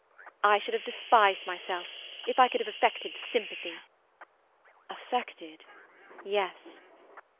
"I should have despised myself if I could have affected sympathy." "Affected—yes."